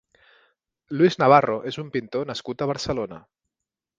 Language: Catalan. Luis Navarro és un pintor nascut a Barcelona.